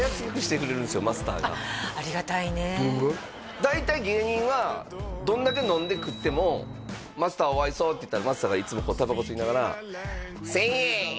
大体芸人はどんだけ飲んで食ってもマスターおあいそって言ったらマスターがいつもタバコ吸いながらえっ？